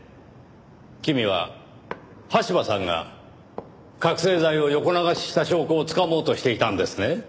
君は羽柴さんが覚醒剤を横流しした証拠をつかもうとしていたんですね。